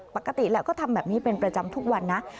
ปกติแล้วก็ทำแบบนี้เป็นประจำทุกวันนะ